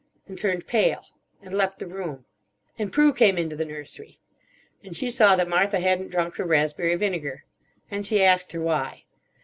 And turned pale. And left the room. "And Prue came into the nursery. And she saw that Martha hadn't drunk her raspberry vinegar. And she asked her why.